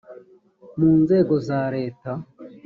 mu nzego za leta